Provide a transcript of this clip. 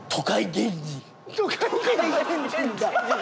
都会原人だ！